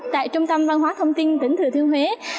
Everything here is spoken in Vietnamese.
tại trung tâm văn hóa thông tin tỉnh thừa thiên huế